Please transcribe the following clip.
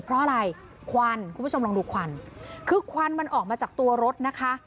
เพราะอะไรควันคุณผู้ชมลองดูควันคือควันมันออกมาจากตัวรถนะคะ